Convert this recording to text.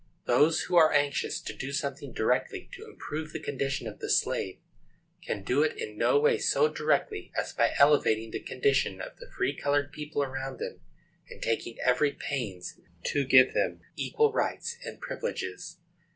Those who are anxious to do something directly to improve the condition of the slave, can do it in no way so directly as by elevating the condition of the free colored people around them, and taking every pains to give them equal rights and privileges.